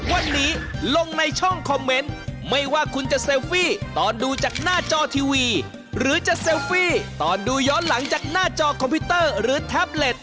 วันนี้ลงในช่องคอมเมนต์ไม่ว่าคุณจะเซลฟี่ตอนดูจากหน้าจอทีวีหรือจะเซลฟี่ตอนดูย้อนหลังจากหน้าจอคอมพิวเตอร์หรือแท็บเล็ต